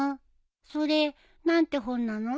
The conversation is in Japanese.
それ何て本なの？